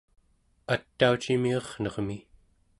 ataucimi ernermi